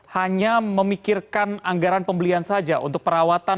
hanya memikirkan anggaran pembelian saja untuk perawatan